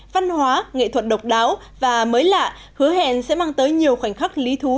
văn hóa nghệ thuật độc đáo và mới lạ hứa hẹn sẽ mang tới nhiều khoảnh khắc lý thú